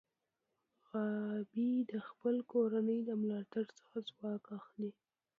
غابي د خپل کورنۍ د ملاتړ څخه ځواک اخلي.